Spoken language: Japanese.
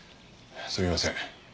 すみません。